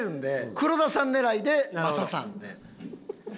黒田さん狙いで雅さん？